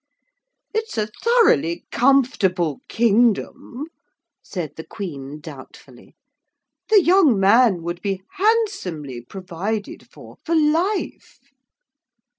'It's a thoroughly comfortable kingdom,' said the Queen doubtfully. 'The young man would be handsomely provided for for life.'